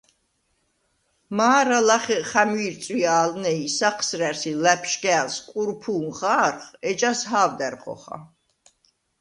მა̄რა ლახე ხა̈მვი̄რწვჲა̄ლვნე ი საჴსრა̈რს ი ლა̈ფშგა̄̈ლს ყურფუ̄ნ ხა̄რხ, ეჯას ჰა̄ვდა̈რ ხოხა.